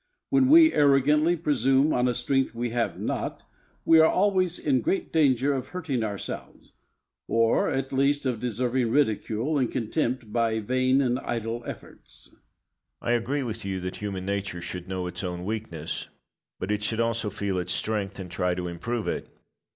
When we arrogantly presume on a strength we have not, we are always in great danger of hurting ourselves or, at least, of deserving ridicule and contempt by vain and idle efforts. Locke. I agree with you that human nature should know its own weakness; but it should also feel its strength, and try to improve it.